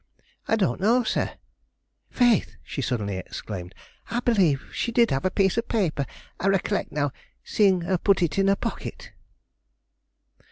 "I don't know, sir. Faith!" she suddenly exclaimed, "I believe she did have a piece of paper. I recollect, now, seeing her put it in her pocket."